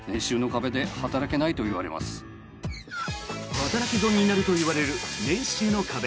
働き損になるといわれる年収の壁。